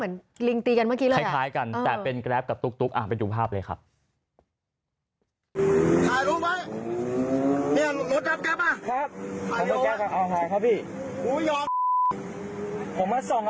มึงไม่ได้มาทั้งแรกรถมึงกูเห็นประจำ